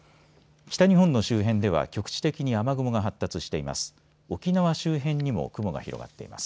北日本の周辺では局地的に雨雲が発達しています。